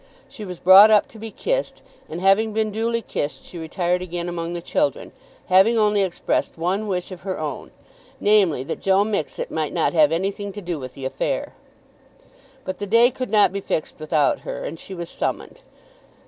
She was brought up to be kissed, and having been duly kissed she retired again among the children, having only expressed one wish of her own, namely, that Joe Mixet might not have anything to do with the affair. But the day could not be fixed without her, and she was summoned.